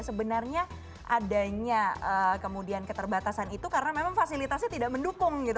sebenarnya adanya kemudian keterbatasan itu karena memang fasilitasnya tidak mendukung gitu